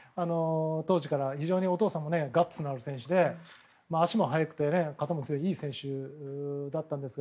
当時から非常にお父さんもガッツのある選手で足も速くて、肩も強くていい選手だったんですが。